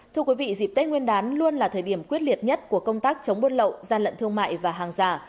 thưa quý vị dịp tết nguyên đán luôn là thời điểm quyết liệt nhất của công tác chống buôn lậu gian lận thương mại và hàng giả